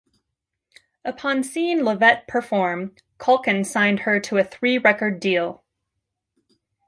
Upon seeing LaVette perform, Kaulkin signed her to a three-record deal.